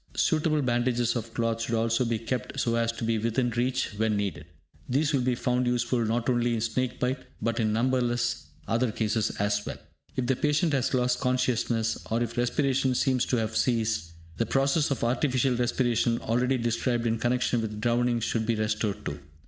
Suitable bandages of cloth should also be kept so as to be within reach when needed. These will be found useful not only in snake bite, but in numberless other cases as well. If the patient has lost consciousness, or if respiration seems to have ceased, the process of artificial respiration already described in connection with drowning should be resorted to.